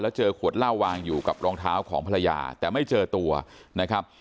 เจอขวดเหล้าวางอยู่กับรองเท้าของภรรยาแต่ไม่เจอตัวนะครับ